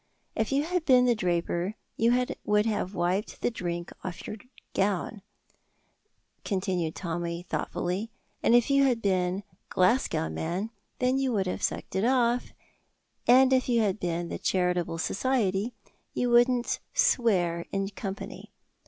"If you had been the draper you would have wiped the drink off your gown," continued Tommy, thoughtfully, "and if you had been 'Glasgow Man' you would have sucked it off, and if you had been the charitable society you wouldn't swear in company."